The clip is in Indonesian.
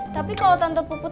tapi kalau tante puput